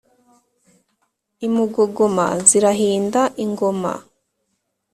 i mugogoma zirahinda ingoma.